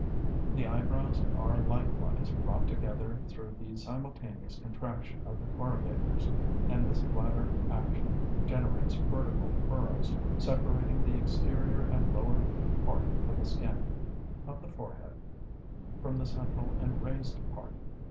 The eyebrows are likewise brought together through the simultaneous contraction of the corrugators; and this latter action generates vertical furrows, separating the exterior and lowered part of the skin of the forehead from the central and raised part.